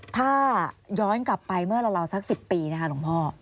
ถ้าย้อนกลับไปเมื่อราวสัก๑๐ปีนะคะหลวงพ่อ